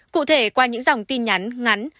cụ thể qua những dòng tin nhắn ngắn